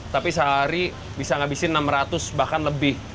tapi sehari bisa ngabisin enam ratus bahkan lebih